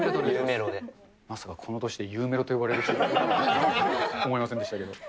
まさかこの年でゆうメロと呼ばれるとは思いませんでしたけど。